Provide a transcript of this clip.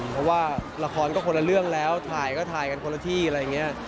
เพราะว่าละครก็คนละเรื่องแล้วถ่ายก็ถ่ายกันคนละที่อะไรอย่างนี้